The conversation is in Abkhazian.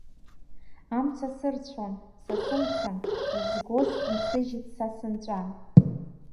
Амца сырцәон, са сымцан, изгоз нсыжьит са сынҵәан.